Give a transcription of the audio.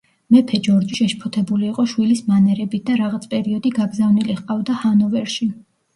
მეფე ჯორჯი შეშფოთებული იყო შვილის მანერებით და რაღაც პერიოდი გაგზავნილი ჰყავდა ჰანოვერში.